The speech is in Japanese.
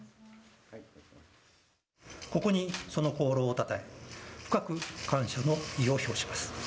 ここにその功労をたたえ、深く感謝の意を表します。